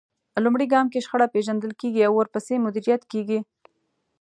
لومړی ګام کې شخړه پېژندل کېږي او ورپسې مديريت کېږي.